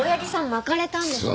まかれたんですか？